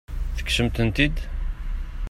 Tekksem-ten-id?